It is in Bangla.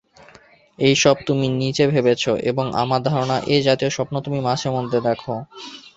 এইসব তুমি নিজে ভেবেছ এবং আমার ধারণা এ জাতীয় স্বপ্ন তুমি মাঝে-মাঝে দেখ।